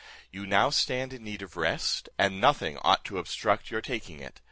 You now stand in need of rest, and nothing ought to obstruct your taking it.